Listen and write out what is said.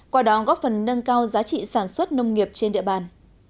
qua đó góp phần nâng cao giá trị sản xuất nông nghiệp trên địa bàn